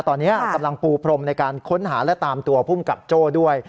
ตอนนี้กำลังปูพรมในการค้นหาและตามตัวภูมิกับโจ้ด้วย